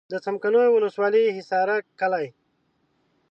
د څمکنیو ولسوالي حصارک کلی.